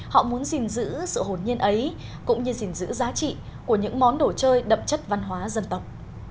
họ muốn gìn giữ sự hồn nhiên ấy cũng như gìn giữ giá trị của những món đồ chơi đậm chất văn hóa dân tộc